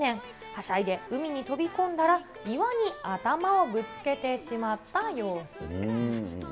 はしゃいで海に飛び込んだら岩に頭をぶつけてしまった様子です。